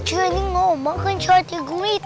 jeni mau makan sate gurita